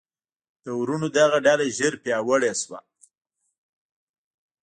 د وروڼو دغه ډله ژر پیاوړې شوه.